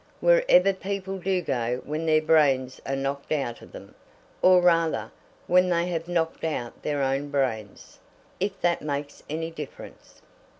"Wherever people do go when their brains are knocked out of them; or, rather, when they have knocked out their own brains, if that makes any difference."